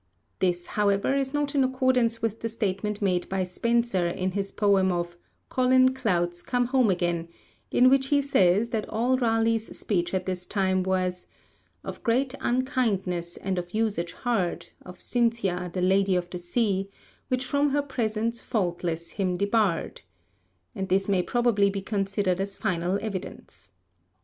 This, however, is not in accordance with the statement made by Spenser in his poem of Colin Clout's come home again, in which he says that all Raleigh's speech at this time was Of great unkindness and of usage hard Of Cynthia, the Lady of the Sea, Which from her presence faultless him debarred, and this may probably be considered as final evidence.